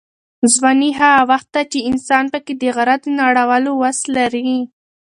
ځواني هغه وخت ده چې انسان پکې د غره د نړولو وس لري.